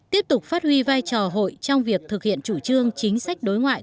tiếp tục phát huy vai trò hội trong việc thực hiện chủ trương chính sách đối ngoại